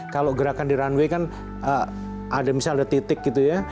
kalau gerakan di runway kan ada misalnya ada titik gitu ya